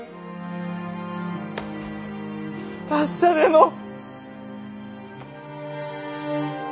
達者でのう！